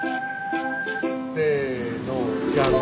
せのじゃん！